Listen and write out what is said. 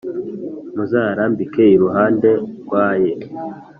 muzayarambike iruhande rw aye